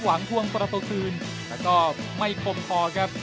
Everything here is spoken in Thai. หวังทวงประตูคืนแต่ก็ไม่คมพอครับ